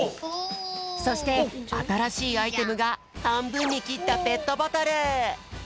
そしてあたらしいアイテムがはんぶんにきったペットボトル！